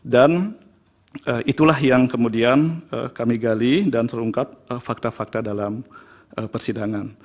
dan itulah yang kemudian kami gali dan terungkap fakta fakta dalam persidangan